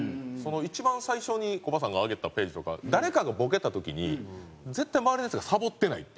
一番最初にコバさんが挙げたページとか誰かがボケた時に絶対周りの人がサボってないっていう。